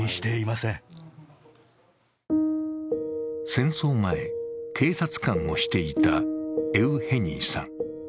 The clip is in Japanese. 戦争前、警察官をしていたエウヘニイさん。